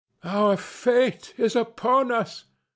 "Our fate is upon us!"